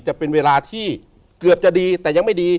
จะเป็นเวลาที่เกือบจะดีแต่ยังไม่ดี